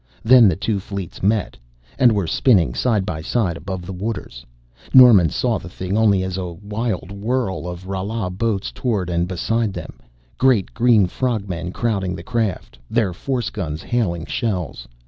Then the two fleets met and were spinning side by side above the waters. Norman saw the thing only as a wild whirl of Rala boats toward and beside them, great green frog men crowding the craft, their force guns hailing shells.